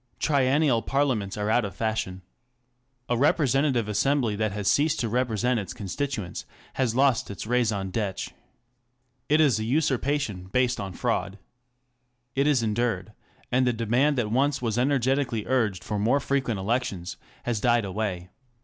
Triennial parliaments are out of fashion. A representative assembly that has ceased to represent its constituents has lost its ration (Fdtre. It is a usurpation based on fraud. Yet it is endured, and the demand that once was energetically urged ' for more frequent elections has died away.